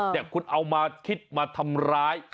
แต่คุณเอามาคิดมาทำร้าย